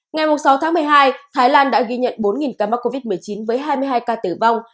ngày sáu tháng một mươi hai thái lan đã ghi nhận bốn ca mắc covid một mươi chín với hai mươi hai ca tử vong